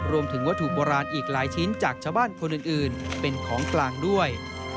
รวมถึงวัตถุโบราณอีกหลายชิ้นจากชาวบ้านคนอื่นเป็นของกลางด้วย